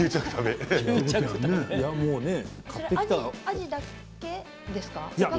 アジだけですか。